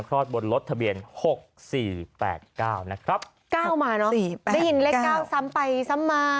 รอดบนรถทะเบียนหกสี่แปดเก้านะครับเก้ามาเนอะสี่แปดได้ยินเลขเก้าซ้ำไปซ้ำมา